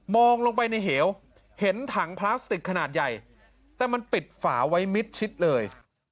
ลงไปในเหวเห็นถังพลาสติกขนาดใหญ่แต่มันปิดฝาไว้มิดชิดเลย